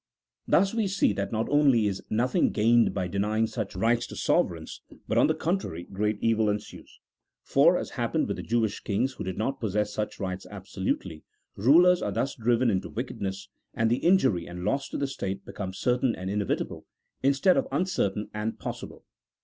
Thus we see that not only is nothing gained by denying such rights to sovereigns, but on the contrary, great evil ensues. For (as happened with the Jewish kings who did not possess such rights absolutely) rulers are thus driven into wickedness, and the injury and loss to the state be come certain and inevitable, instead of uncertain and possible.